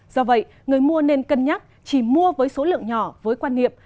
do vậy người mua nên cân nhắc chỉ mua với số lượng nhỏ với quan niệm